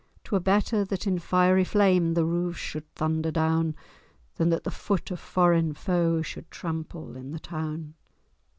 'Twere better that in fiery flame The roofs should thunder down, Than that the foot of foreign foe Should trample in the town!"